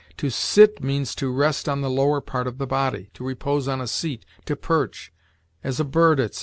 To sit means to rest on the lower part of the body, to repose on a seat, to perch, as a bird, etc.